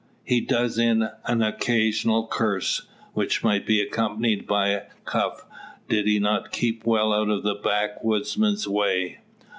He does in an occasional curse, which might be accompanied by a cuff, did he not keep well out of the backwoodsman's way.